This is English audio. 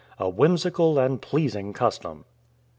A whimsical and pleasing custom!